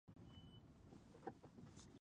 غابي وايي چې روژه یې د ژوند مهمه برخه ده.